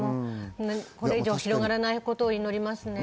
これ以上、広がらないことを祈ります。